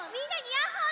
ヤッホー！